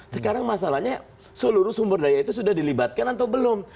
sekarang masalahnya seluruh sumber daya itu sudah dilibatkan atau belum